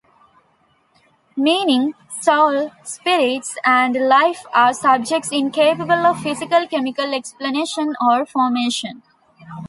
Meaning, soul, spirits, and life are subjects incapable of physical-chemical explanation or formation.